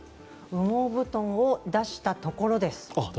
羽毛布団を出したところです。